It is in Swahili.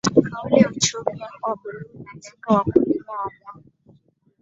Kauli ya uchumi wa buluu inalenga wakulima wa mwani